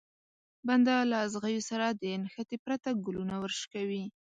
بنده له ازغيو سره له نښتې پرته ګلونه ورشکوي.